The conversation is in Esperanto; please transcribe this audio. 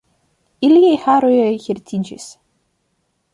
Iliaj haroj hirtiĝis.